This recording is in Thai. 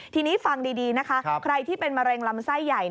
ทีนี้ฟังดีนะคะใครที่เป็นมะเร็งลำไส้ใหญ่